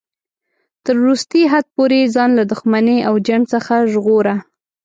تر وروستي حد پورې ځان له دښمنۍ او جنګ څخه ژغوره.